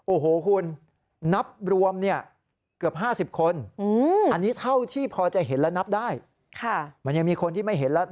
โอ้โหคุณนับรวมเนี่ยเกือบ๕๐คนอันนี้เท่าที่พอจะเห็นและนับได้มันยังมีคนที่ไม่เห็นแล้ว